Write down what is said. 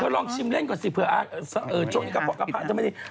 ก็ลองชิมเล่นก่อนสิเผื่อเจาะนี่กระป๋อกระป๋าจะไม่ดี